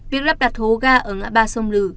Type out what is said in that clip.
việc lắp đặt hố ga ở ngã ba sông lừ